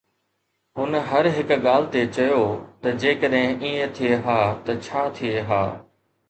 هن هر هڪ ڳالهه تي چيو ته جيڪڏهن ائين ٿئي ها ته ڇا ٿئي ها